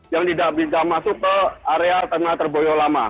yang tidak bisa masuk ke area tengah terboyo lama